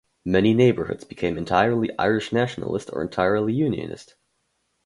Many neighbourhoods became entirely Irish nationalist or entirely unionist.